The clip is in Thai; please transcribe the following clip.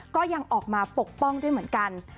ก็ยังออกมาปกป้องด้วยเหมือนกัน